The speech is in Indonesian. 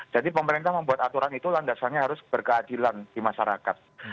jadi pemerintah membuat aturan itu landasannya harus berkeadilan di masyarakat